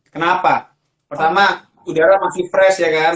kenapa pertama udara masih fresh ya kan